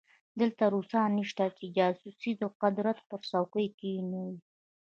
دلته روسان نشته چې جاسوس د قدرت پر څوکۍ کېنوي.